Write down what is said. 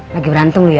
lagi berantem lu ya